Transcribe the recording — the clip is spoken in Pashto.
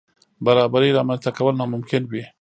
برابرۍ رامنځ ته کول ناممکن وي.